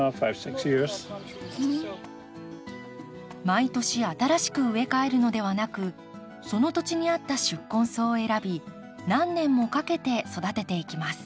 毎年新しく植え替えるのではなくその土地に合った宿根草を選び何年もかけて育てていきます。